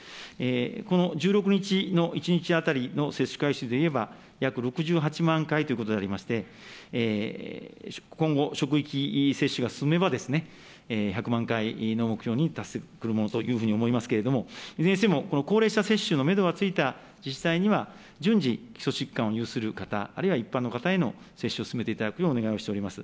この１６日の１日当たりの接種回数でいえば、約６８万回ということでありまして、今後、職域接種が進めばですね、１００万回の目標に達するものと思いますけれども、いずれにしてもこの高齢者接種のメドがついた自治体には、順次、基礎疾患を有する方、あるいは一般の方への接種を進めていただくようお願いをしております。